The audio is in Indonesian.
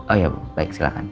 oh iya bu baik silakan